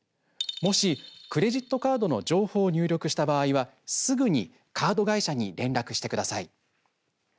もし、クレジットカードの情報を入力した場合はすぐにカード会社に連絡してください。